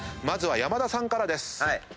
まずは山田さんからです。